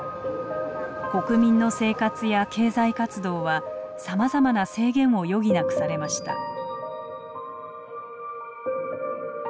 国民の生活や経済活動はさまざまな制限を余儀なくされました。